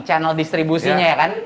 channel distribusinya ya kan